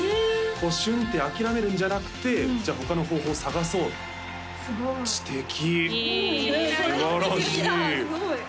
こうシュンって諦めるんじゃなくてじゃあ他の方法を探そう知的イエーイすばらしいこれは知的だすごい